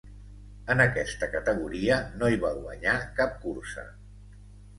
En aquesta categoria no hi va guanyar cap cursa.